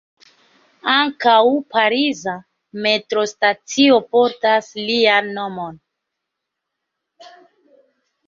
Ankaŭ pariza metrostacio portas lian nomon.